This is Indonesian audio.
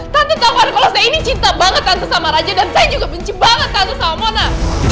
tante tahu kan kalau saya ini cinta banget sama raja dan saya juga benci banget sama mona